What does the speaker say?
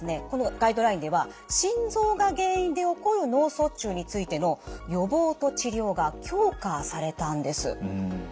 このガイドラインでは心臓が原因で起こる脳卒中についての予防と治療が強化されたんです。